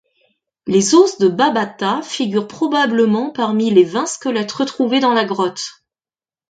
Les os de Babatha figurent probablement parmi les vingt squelettes retrouvés dans la grotte.